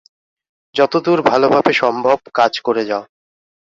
যতদূর ভালভাবে সম্ভব কাজ করে যাও।